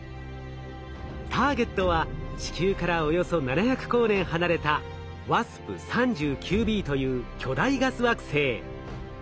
ターゲットは地球からおよそ７００光年離れたＷＡＳＰ−３９ｂという巨大ガス惑星。